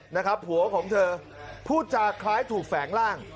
หัวของเธอพูดจากใครถูกแฝงร่าง